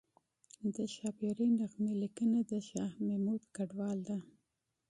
د ښاپیرۍ نغمې لیکنه د شاه محمود کډوال ده